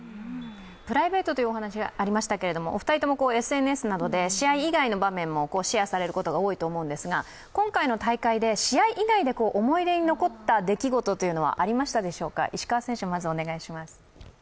プライベートというお話がありましたけど、お二人ともＳＮＳなどで試合以外の場面もシェアされることが多いと思いますが今回の大会で、試合以外で思い出に残った出来事はありましたでしょうか。